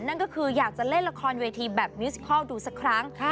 นั่นก็คืออยากจะเล่นละครเวทีแบบมิสคอลดูสักครั้ง